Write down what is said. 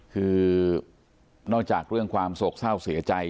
คือนอกจากเรื่องความโศกเศร้าเสียใจ